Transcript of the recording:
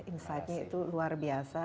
insidenya itu luar biasa